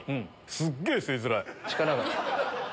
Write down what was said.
すげぇ吸いづらい。